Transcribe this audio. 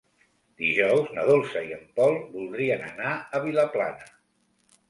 Dijous na Dolça i en Pol voldrien anar a Vilaplana.